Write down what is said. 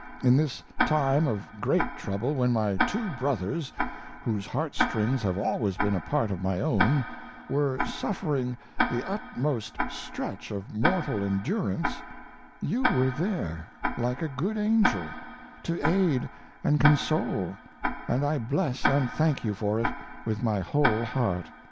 In this time of great trouble, when my two brothers, whose heartstrings have always been a part of my own, were suffering the utmost stretch of mortal endurance, you were there, like a good angel, to aid and console, and I bless and thank you for it with my whole heart.